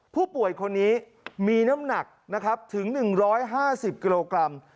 ผู้ป่วยคนนี้มีน้ำหนักนะครับถึง๑๕๐กิโลกรัม